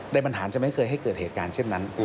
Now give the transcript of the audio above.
ปัญหาจะไม่เคยให้เกิดเหตุการณ์เช่นนั้น